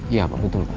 iya apa betul pak